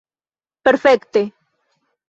perfekte